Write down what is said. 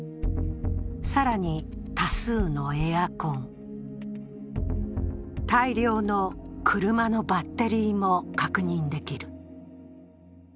更に、多数のエアコン、大量の車のバッテリーも確認できる。